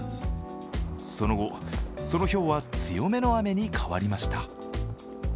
その後、そのひょうは強めの雨に変わりました。